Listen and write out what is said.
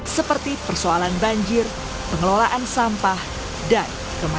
seperti persoalan banjir pengelolaan sampah dan kemampuan